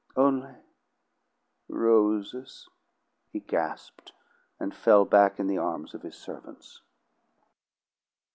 "Only roses," he gasped, and fell back in the arms of his servants.